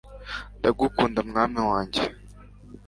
ndagukunda mwami wanjye